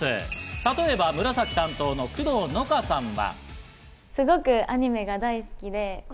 例えば紫担当の工藤のかさんは。